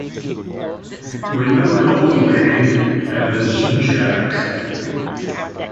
Remembered only...as Jack.